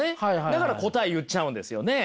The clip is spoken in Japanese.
だから答え言っちゃうんですよね。